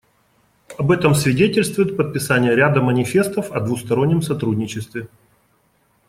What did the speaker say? Об этом свидетельствует подписание ряда манифестов о двустороннем сотрудничестве.